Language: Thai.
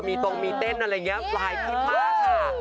มีตรงมีเต้นอะไรอย่างนี้หลายคลิปมากค่ะ